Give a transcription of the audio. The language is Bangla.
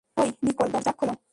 ওই, নিকোল, দরজা খোলো!